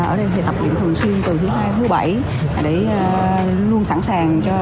ở đây thì tập trung thường xuyên từ thứ hai đến thứ bảy để luôn sẵn sàng